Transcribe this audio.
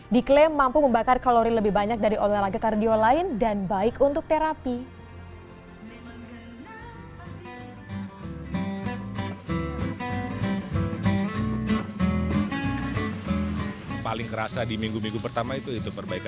diklaim mampu membakar kalori lebih banyak dari olahraga kardio lain dan baik untuk terapi